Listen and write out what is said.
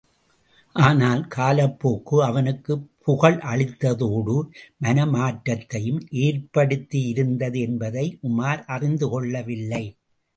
ஆனால் காலப்போக்கு அவனுக்குப் புகழளித்ததோடு மனமாற்றத்தையும் ஏற்படுத்தியிருந்தது என்பதை உமார் அறிந்து கொள்ளவில்லை!